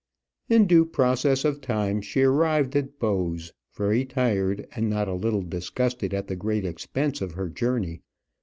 In due process of time she arrived at Bowes, very tired and not a little disgusted at the great expense of her journey.